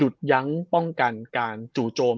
ยั้งป้องกันการจู่โจม